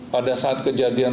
pada saat kejadian